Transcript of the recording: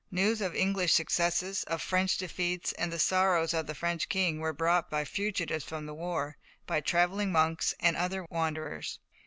News of English successes, of French defeats, and the sorrows of the French King, were brought by fugitives from the war, by travelling monks, and other wanderers.